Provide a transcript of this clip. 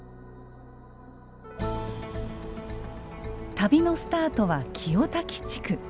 旅のスタートは清滝地区。